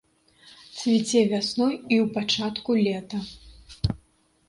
Цвіце вясной і ў пачатку лета.